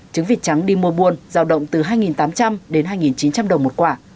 trứng vịt trắng đi mua buôn giao động từ hai tám trăm linh đến hai chín trăm linh đồng một quả